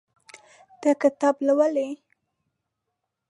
ته کتاب لولې.